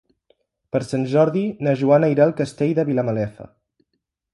Per Sant Jordi na Joana irà al Castell de Vilamalefa.